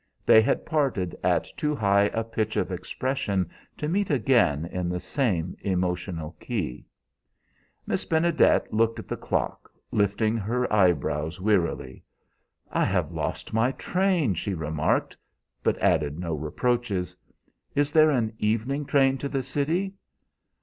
They had parted at too high a pitch of expression to meet again in the same emotional key. Miss Benedet looked at the clock, lifting her eyebrows wearily. "I have lost my train," she remarked, but added no reproaches. "Is there an evening train to the city?"